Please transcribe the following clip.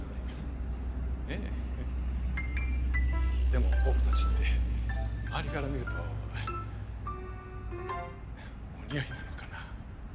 でも僕たちって周りから見るとお似合いなのかな。